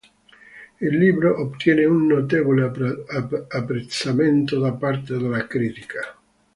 Il libro ottiene un notevole apprezzamento da parte della critica.